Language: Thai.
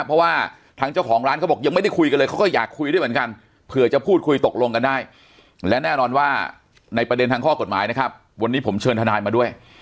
เพราะว่าทางเจ้าของร้านเขาบอกยังไม่ได้คุยกันเลยเขาก็อยากคุยด้วยเหมือนกันเผื่อจะพูดคุยตกลงกันได้และแน่นอนว่าในประเด็นทางข้อกฎหมายนะครับวันนี้ผมเชิญทนายมาด้วย